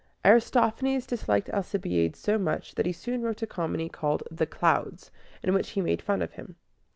Aristophanes disliked Alcibiades so much that he soon wrote a comedy called "The Clouds," in which he made fun of him.